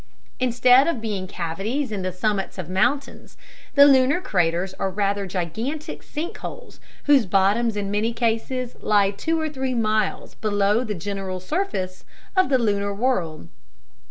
Instead of being cavities in the summits of mountains, the lunar craters are rather gigantic sink holes whose bottoms in many cases lie two or three miles below the general surface of the lunar world.